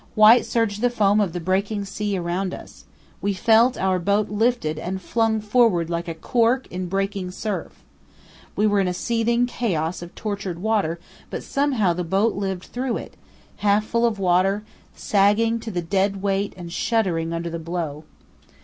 White surged the foam of the breaking sea around us. We felt our boat lifted and flung forward like a cork in breaking surf. We were in a seething chaos of tortured water; but somehow the boat lived through it, half full of water, sagging to the dead weight and shuddering under the blow.